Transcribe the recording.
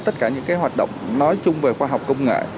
tất cả những hoạt động nói chung về khoa học công nghệ